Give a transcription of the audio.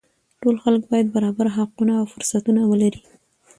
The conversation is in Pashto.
ټول خلک باید برابر حقونه او فرصتونه ولري